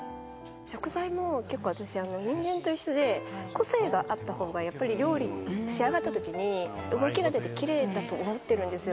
食材も結構私、人間と一緒で、個性があったほうがやっぱり料理、仕上がったときに動きが出てきれいだと思ってるんですよ。